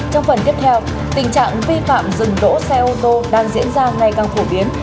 trong phần tiếp theo tình trạng vi phạm dừng đỗ xe ô tô đang diễn ra ngày càng phổ biến